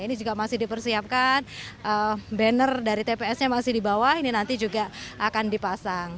ini juga masih dipersiapkan banner dari tps nya masih di bawah ini nanti juga akan dipasang